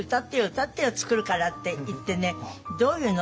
歌ってよ作るから」って言ってね「どういうの？」